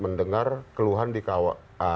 mendengar keluhan di kawasan